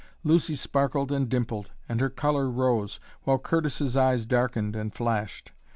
Lucy sparkled and dimpled, and her color rose, while Curtis's eyes darkened and flashed.